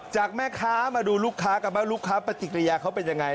จากแม่ค้ามาดูลูกค้ากันบ้างลูกค้าปฏิกิริยาเขาเป็นยังไง